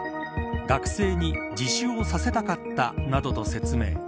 学生に自首をさせたかったなどと説明。